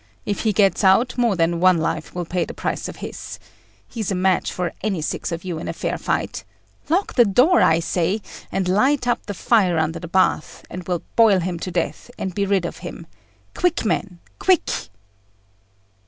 If he gets out, more than one life will pay the price of his. He's a match for any six of you in fair fight. Lock the door, I say, and light up the fire under the bath; and we'll boil him to death, and be rid of him. Quick, men, quick!"